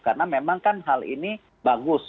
karena memang kan hal ini bagus